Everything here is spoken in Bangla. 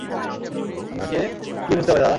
আমাকে কী বুঝতে হবে দাদা?